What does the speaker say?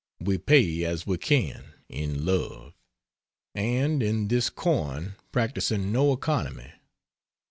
We pay as we can, in love; and in this coin practicing no economy.